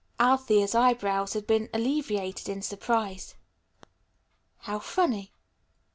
Althea's eye brows had been elevated in surprise. "How funny."